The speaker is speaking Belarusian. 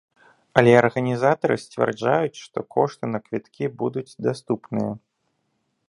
Але арганізатары сцвярджаюць, што кошты на квіткі будуць даступныя.